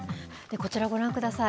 こちら、ご覧ください。